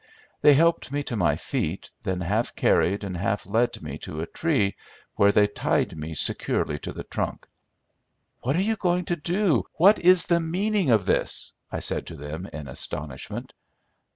They helped me to my feet, then half carried and half led me to a tree, where they tied me securely to the trunk. "'What are you going to do? What is the meaning of this?' I said to them in astonishment.